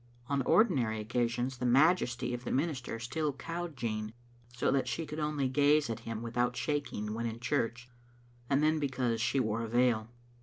On ordinary occasions the majesty of the minister still cowed Jean, so that she could only gaze at him without shaking when in church, and then because she wore a veil.